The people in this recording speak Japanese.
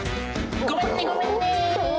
ごめんねごめんね！